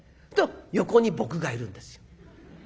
と横に僕がいるんですよ。